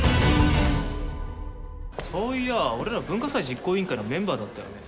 そういや俺ら文化祭実行委員会のメンバーだったよね。